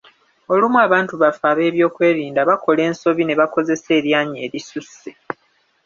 Olumu abantu baffe ab’ebyokwerinda bakola ensobi ne bakozesa eryanyi erisusse.